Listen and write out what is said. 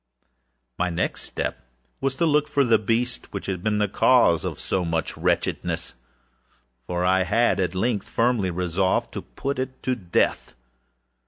â My next step was to look for the beast which had been the cause of so much wretchedness; for I had, at length, firmly resolved to put it to death.